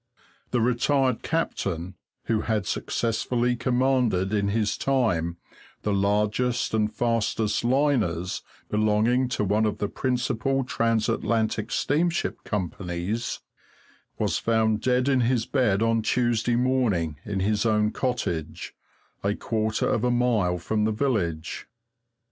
The retired captain, who had successfully commanded in his time the largest and fastest liners belonging to one of the principal transatlantic steamship companies, was found dead in his bed on Tuesday morning in his own cottage, a quarter of a mile from the village.